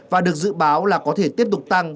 và được dự báo là có thể tiếp tục tăng